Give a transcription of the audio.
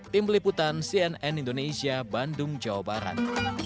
tim liputan cnn indonesia bandung jawa barat